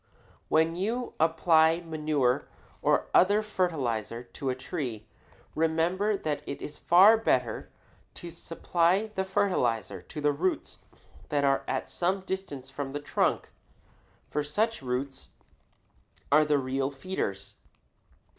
When you apply manure or other fertilizer to a tree, remember that it is far better to supply the fertilizer to the roots that are at some distance from the trunk, for such roots are the real feeders.